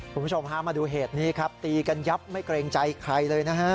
คุณผู้ชมฮะมาดูเหตุนี้ครับตีกันยับไม่เกรงใจใครเลยนะฮะ